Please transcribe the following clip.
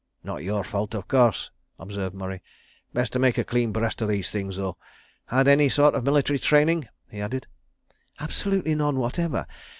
"Not your fault, of course," observed Murray. "Best to make a clean breast of these things, though. ... Had any sort of military training?" he added. "Absolutely none whatever.